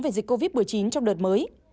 về dịch covid một mươi chín trong đợt mới